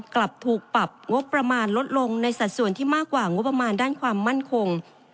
กลับถูกปรับงบประมาณลดลงในสัดส่วนที่มากกว่างบประมาณด้านความมั่นคง